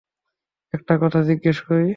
একটা কথা জিজ্ঞেস করি!